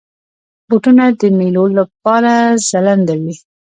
بوټونه د میلو لپاره ځلنده وي.